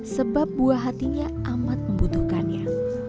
sebab buah hatinya amat membutuhkannya